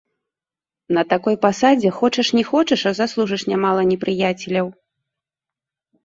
На такой пасадзе хочаш не хочаш, а заслужыш нямала непрыяцеляў.